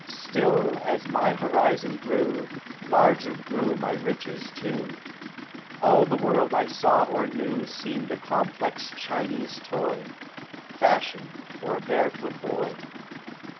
Still as my horizon grew, Larger grew my riches too; All the world 1 saw or knew Seemed a complex Chinese toy, Fashioned for a barefoot boy!